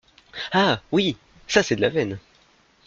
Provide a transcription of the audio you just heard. Ah ! oui !… ça c’est de la veine !